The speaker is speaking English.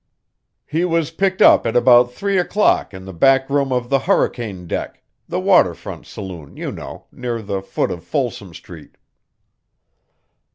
"He was picked up at about three o'clock in the back room of the Hurricane Deck the water front saloon, you know near the foot of Folsom Street."